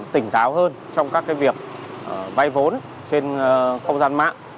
tỉnh táo hơn trong các việc vay vốn trên không gian mạng